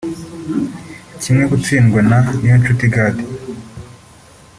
kimwe gitsindwa na Niyonshuti Gady